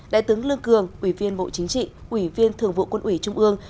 đại tướng lương cường ủy viên bộ chính trị ủy viên thường vụ quân ủy trung ương